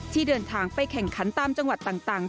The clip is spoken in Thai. เดินทางไปแข่งขันตามจังหวัดต่าง